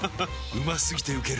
うま過ぎてウケる